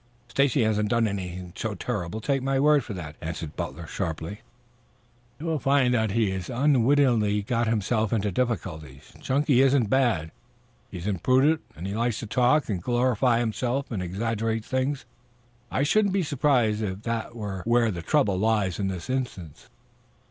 "Stacy hasn't done anything so terrible. Take my word for that," answered Butler sharply. "You will find that he has unwittingly got himself into difficulties. Chunky isn't bad. He is imprudent and he likes to talk and glorify himself and exaggerate things. I shouldn't be surprised if that were where the trouble lies in this instance."